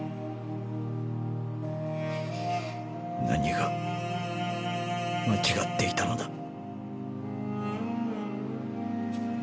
何が間違っていたのだ。